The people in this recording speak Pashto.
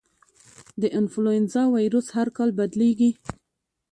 د انفلوېنزا وایرس هر کال بدلېږي.